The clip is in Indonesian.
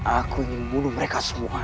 aku ingin membunuh mereka semua